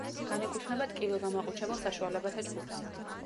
განეკუთვნება ტკივილგამაყუჩებელ საშუალებათა ჯგუფს.